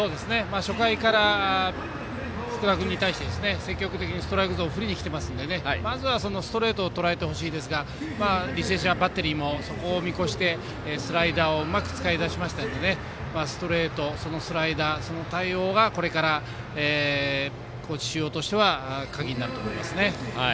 初回から、福田君に対して積極的にストライクゾーン振りにきてますのでまずはストレートをとらえてほしいですが履正社バッテリーもそこを見越してスライダーをうまく使い出しましたのでストレート、スライダーその対応がこれから高知中央としては鍵になると思いますね。